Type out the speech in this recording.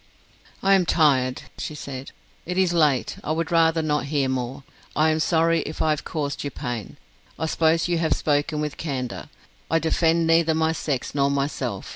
"I am tired," she said. "It is late, I would rather not hear more. I am sorry if I have caused you pain. I suppose you to have spoken with candour. I defend neither my sex nor myself.